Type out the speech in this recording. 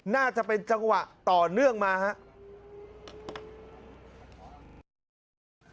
น่าจะเป็นจังหวะต่อเนื่องมาครับ